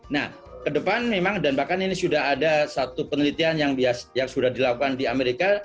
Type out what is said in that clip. nah ke depan memang dan bahkan ini sudah ada satu penelitian yang sudah dilakukan di amerika